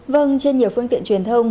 vâng trên nhiều phương tiện truyền thông